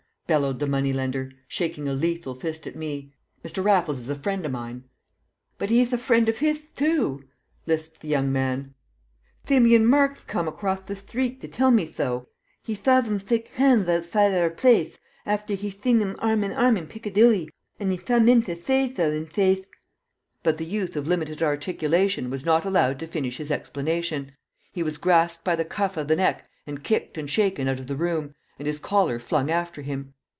bellowed the money lender, shaking a lethal fist at me. "Mr. Raffles is a friend o' mine." "But 'e'th a friend of 'ith too," lisped the young man. "Thimeon Markth come acroth the thtreet to tell me tho. He thaw them thake handth outthide our plathe, after he'd theen 'em arm in arm in Piccadilly, 'an he come in to thay tho in cathe " But the youth of limited articulation was not allowed to finish his explanation; he was grasped by the scruff of the neck and kicked and shaken out of the room, and his collar flung after him.